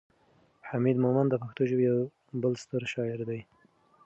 حمید مومند د پښتو ژبې یو بل ستر شاعر دی.